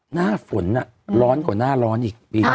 หน้าฝนร้อนกว่าหน้าร้อนอีกปีหน้า